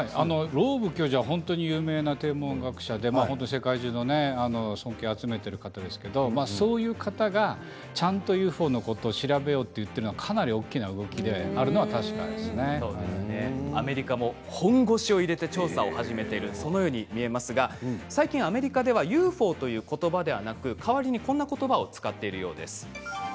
ローブ教授は本当に有名な天文学者で世界中の尊敬を集めている方ですけれどそういう方が、ちゃんとＵＦＯのことを調べようと言ってるのはかなり大きな動きであるのはアメリカも本腰を入れて調査を始めているそのように見えますが最近アメリカではＵＦＯという言葉ではなく代わりに、こんな言葉を使っているようです。